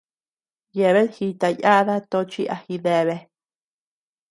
Yeabea jita yada tochi a jideabea.